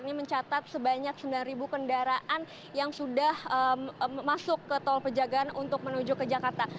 ini mencatat sebanyak sembilan kendaraan yang sudah masuk ke tol pejagaan untuk menuju ke jakarta